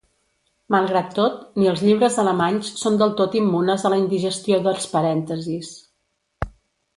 Malgrat tot, ni els llibres alemanys són del tot immunes a la indigestió dels parèntesis.